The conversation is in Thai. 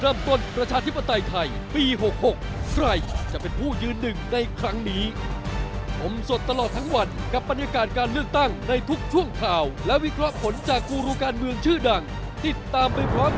ไม่ต้องลังเลอย่างนี้ใช่ไหม